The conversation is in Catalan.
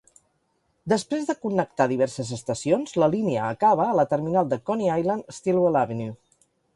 Després de connectar diverses estacions, la línia acaba a la terminal de Coney Island-Stillwell Avenue.